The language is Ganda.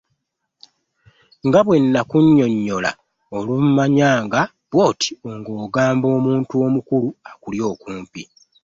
Nga bwe nnakunnyonnyola olumanyanga bwoti ng'ogamba omuntu omukulu alikuba okumpi.